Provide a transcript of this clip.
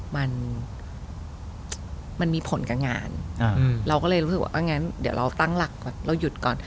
มันมันมีผลกับงานเราก็เลยรู้สึกว่างั้นเดี๋ยวเราตั้งหลักก่อนเราหยุดก่อน